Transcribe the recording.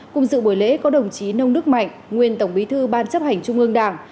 cùng dự buổi lễ có đồng chí nông đức mạnh nguyên tổng bí thư ban chấp hành trung ương đảng